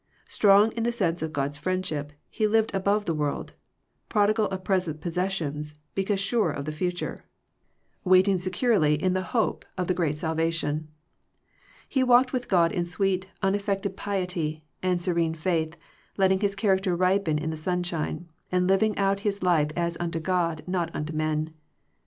Strong m the sense of God's friendship, he lived above the world, prodigal of present possessions, because sure of the future. 227 Digitized by VjOOQIC THE HIGHER FRIENDSHIP waiting securely In the hope of the great salvation. He walked with God in sweet unaffected piety, and serene faith, letting his character ripen in the sunshine, and living out his life as unto God not unto men.